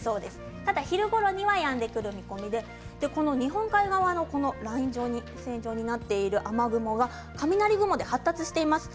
ただ昼ごろにはやんでくる見込みで日本海側のライン状になっている雨雲、雷雲が発達しています。